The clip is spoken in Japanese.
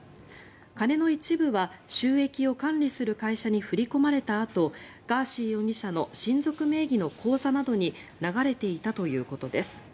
金の一部は収益を管理する会社に振り込まれたあとガーシー容疑者の親族名義の口座などに流れていたということです。